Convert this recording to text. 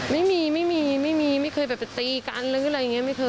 ไม่มีไม่มีไม่เคยแบบไปตีกันหรืออะไรอย่างนี้